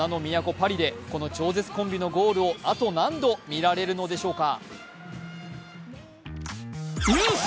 パリで、この超絶コンビのゴールをあと何度見られるのでしょうか。